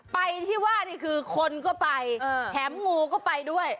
ไปที่ว่านี่คือคนก็ไปแถมงูก็ไปด้วย